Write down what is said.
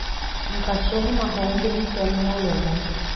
Um cachorro marrom brincando na lama.